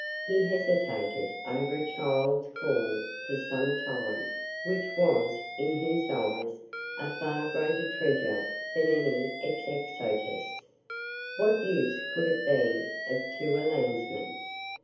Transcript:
He hesitated over a child's caul for some time, which was, in his eyes, a far greater treasure than any Exocetus. What use could it be of to a landsman?